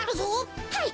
はい！